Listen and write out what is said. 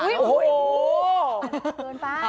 โอ้โหอันนี้เกินไป